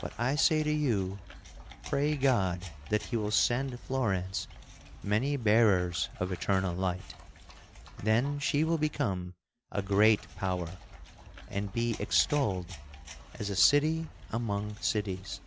But I say to you: Pray God that He will send Florence many bearers of Eternal Light; then she will become a great power, and be extolled as a city among cities!"